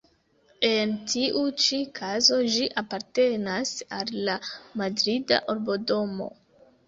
En tiu ĉi kazo ĝi apartenas al la Madrida Urbodomo.